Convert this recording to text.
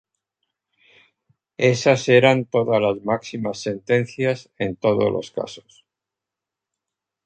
Esas eran todas las máximas sentencias en todos los casos.